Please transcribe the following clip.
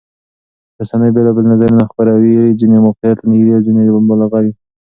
رسنۍ بېلابېل نظرونه خپروي، ځینې واقعيت ته نږدې او ځینې مبالغه وي.